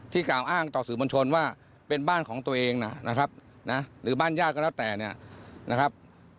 ที่กล่าวอ้างต่อสื่อบนชนว่าเป็นบ้านของตัวเองนะครับหรือบ้านยากก็แล้วแต่นะครับ